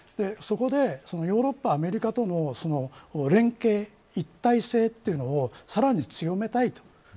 そこでヨーロッパ、アメリカとの連携、一体性というのをさらに強めたいと。